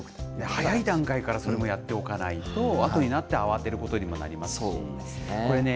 早い段階からそれもやっておかないと、あとになって、慌てるそうですね。